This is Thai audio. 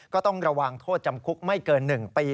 ก็ต้องระวังโทษจำคุกไม่เกิน๑ปี